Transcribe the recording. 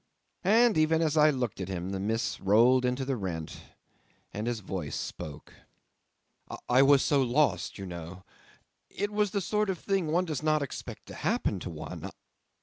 And even as I looked at him the mists rolled into the rent, and his voice spoke '"I was so lost, you know. It was the sort of thing one does not expect to happen to one.